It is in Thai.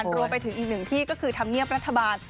รวมไปถึงอีกหนึ่งที่ก็คือธรรมเนียบรัฐบาล